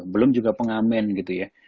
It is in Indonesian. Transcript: belum juga pengamen gitu ya